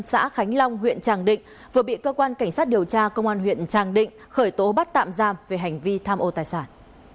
xã khánh long huyện tràng định vừa bị cơ quan cảnh sát điều tra công an huyện tràng định khởi tố bắt tạm giam về hành vi tham ô tài sản